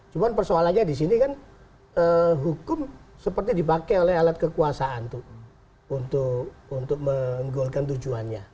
cuma persoalannya di sini kan hukum seperti dipakai oleh alat kekuasaan untuk menggolkan tujuannya